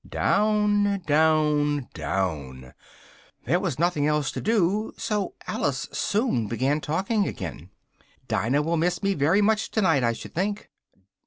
Down, down, down: there was nothing else to do, so Alice soon began talking again. "Dinah will miss me very much tonight, I should think!"